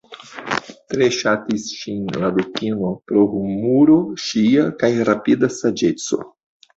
Tre ŝatis ŝin la dukino pro humuro ŝia kaj rapida saĝeco.